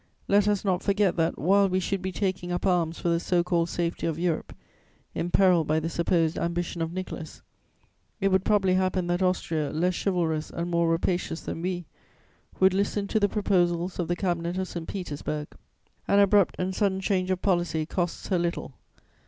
"Let us not forget that, while we should be taking up arms for the so called safety of Europe, imperilled by the supposed ambition of Nicholas, it would probably happen that Austria, less chivalrous and more rapacious than we, would listen to the proposals of the Cabinet of St. Petersburg; an abrupt and sudden change of policy costs her little.